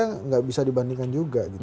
tidak bisa dibandingkan juga